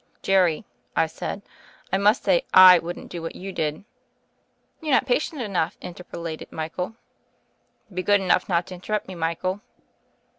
"Jerry," I said, "I must say / wouldn't do what you did." "You're not patient enough," interpolated Michael. "Be good enough not to interrupt me, Michael."